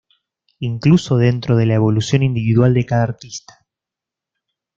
Incluso dentro de la evolución individual de cada artista.